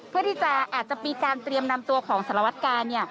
เพื่อที่จะอาจจะมีการเตรียมนำตัวของสารวัตกา